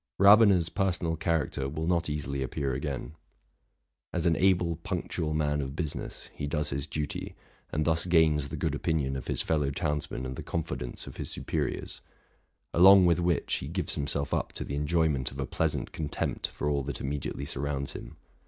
Rabener's personal character will not easily appear again. As an able, punctual man of business, he does his duty, and thus gains the good opinion of his fellow townsmen and the confidence of his superiors ; along with which, he gives him self up to the enjoyment of a pleasant contempt for all that immediately surrounds him.